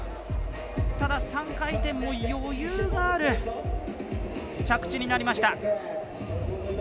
ただ、３回転も余裕がある着地になりました。